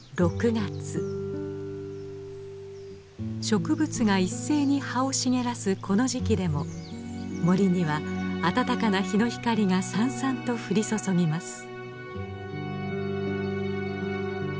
植物が一斉に葉を茂らすこの時期でも森には暖かな日の光がさんさんと降り注ぎます。